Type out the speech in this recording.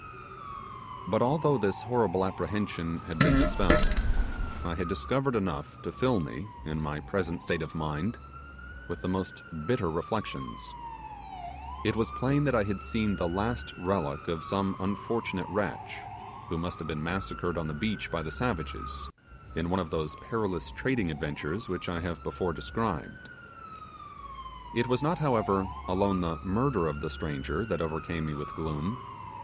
But although this horrible apprehension had been dispelled, I had discovered enough to fill me, in my present state of mind, with the most bitter reflections. It was plain that I had seen the last relic of some unfortunate wretch, who must have been massacred on the beach by the savages, in one of those perilous trading adventures which I have before described. It was not, however, alone the murder of the stranger that overcame me with gloom.